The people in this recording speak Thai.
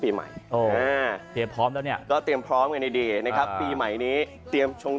ขาวมาหรือยัง